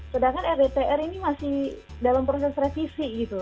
sedangkan rdtr ini masih dalam proses revisi gitu